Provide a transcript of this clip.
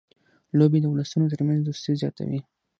لوبې د اولسونو ترمنځ دوستي زیاتوي.